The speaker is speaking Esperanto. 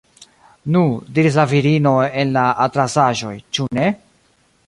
Nu, diris la virino en la atlasaĵoj, ĉu ne?